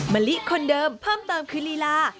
มะลิคนเดิมเพิ่มเติมคือลีลา